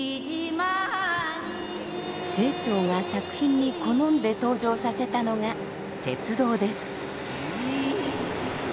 清張が作品に好んで登場させたのが鉄道です。